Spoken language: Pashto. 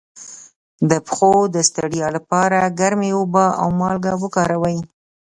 د پښو د ستړیا لپاره ګرمې اوبه او مالګه وکاروئ